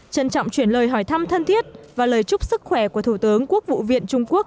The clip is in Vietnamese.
trân trọng chuyển lời hỏi thăm thân thiết và lời chúc sức khỏe của thủ tướng quốc vụ viện trung quốc